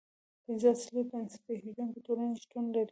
پنځه اصلي بنسټ ایښودونکې ټولنې شتون لري.